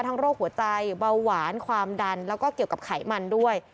โรคหัวใจเบาหวานความดันแล้วก็เกี่ยวกับไขมันด้วย